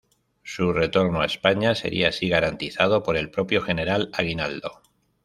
Su retorno a España sería así garantizado por el propio General Aguinaldo.